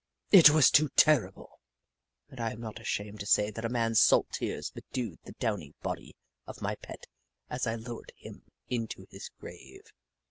It was too terrible, and I am not ashamed to say that a man's salt tears bedewed the downy body of my pet as I lowered him into his grave.